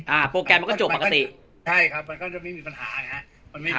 โปรแกรมมันก็จบปกติใช่ครับมันก็จะไม่มีปัญหาไงฮะ